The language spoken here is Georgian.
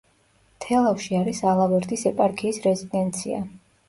თელავში არის ალავერდის ეპარქიის რეზიდენცია.